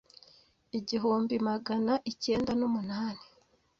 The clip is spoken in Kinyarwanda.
Igihumbi Magana icyenda n’ umunani